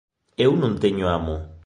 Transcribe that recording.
Eu non teño amo.